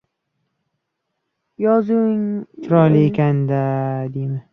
Yozuvingiz chiroyli ekan, dedimi?